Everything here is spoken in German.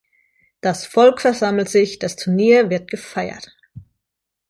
Das Volk versammelt sich, das Turnier wird gefeiert.